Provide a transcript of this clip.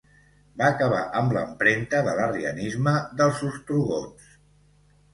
Va acabar amb l'empremta de l'arrianisme dels ostrogots.